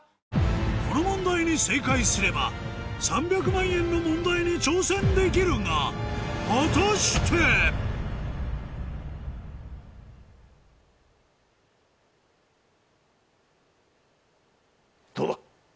この問題に正解すれば３００万円の問題に挑戦できるが果たして⁉どうだ？